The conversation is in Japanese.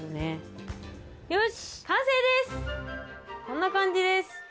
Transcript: こんな感じです